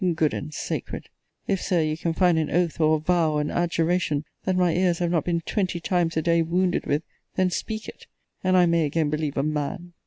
good and sacred! If, Sir, you can find an oath, or a vow, or an adjuration, that my ears have not been twenty times a day wounded with, then speak it, and I may again believe a MAN.